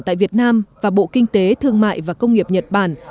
tại việt nam và bộ kinh tế thương mại và công nghiệp nhật bản